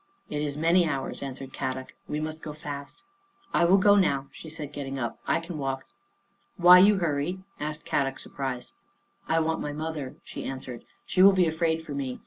"" It is many hours," answered Kadok. " We must go fast." " I will go now," she said, getting up. " I can walk." " Why you hurry? " asked Kadok, surprised. " I want my mother," she answered. u She will be afraid for me.